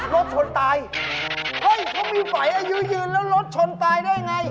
รถชนตายเฮ้ยเขามีฝัยอายุยืนแล้วรถชนตายได้ไง